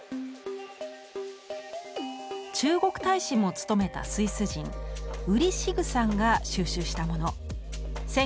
中国大使も務めたスイス人ウリ・シグさんが収集したもの。